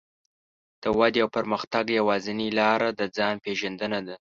د ودې او پرمختګ يوازينۍ لار د ځان پېژندنه ده.